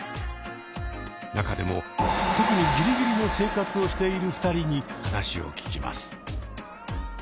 中でも特にギリギリの生活をしている２人に話を聞きます。